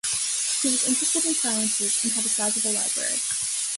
He was interested in sciences, and had a sizable library.